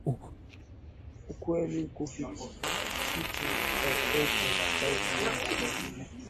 ukweli kufikika kwake ni kazi ngumu na pengine